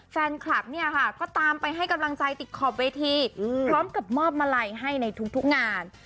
แฟนคลับเนี่ยค่ะก็ตามไปให้กำลังใจติดขอบเวทีพร้อมกับมอบมาลัยให้ในทุกงาน